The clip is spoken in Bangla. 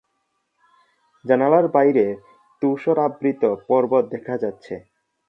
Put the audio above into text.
জানালার বাইরে তুষারাবৃত পর্বত দেখা যাচ্ছে।